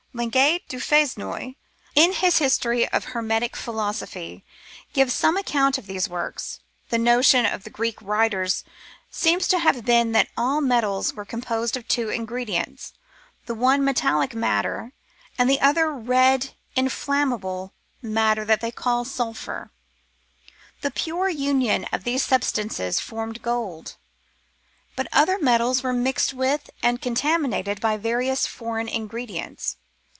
Langlet du Fresnoy, in his History of Hermetic Philosophy, gives some account of these works. The notion of the Greek writers seems to have been that all metals were composed of two ingredients, the one metallic matter, the other a red inflammable 282 The Philosopher's Stone matter which they called sulphur. The pure union of these substances formed gold ; but other metals were mixed with and contaminated by various foreign ingredients.